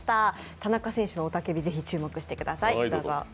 田中選手の雄叫び、ぜひ注目してください。